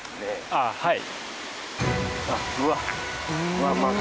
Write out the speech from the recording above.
ああはい。